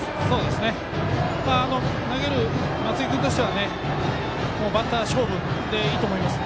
投げる松井君としてはバッター勝負でいいと思います。